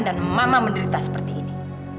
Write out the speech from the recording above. dan mama menderita seperti ini